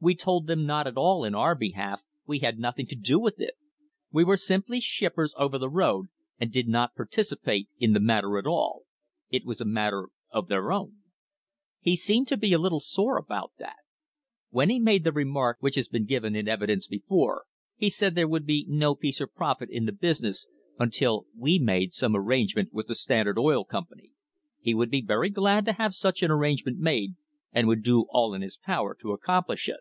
We told them no, a, all ,n our behalf, we had nothmg To do with it; we were simply shippers over the road and d,d no, part,c,pa, ,, the matter at all; it was a matter of their own. He seemed to be a htt e '* When he made the remark which has been given m evrdence before, would be no peace or profit in the business until we made some arrangement wi.h THE FIGHT FOR THE SEABOARD PIPE LINE Standard Oil Company; he would be very glad to have such an arrangement made, and would do all in his power to accomplish it.